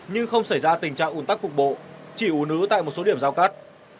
nhưng không xảy ra tình trạng ủn tắc cục bộ chỉ ủ nứ tại một số điểm giao cắt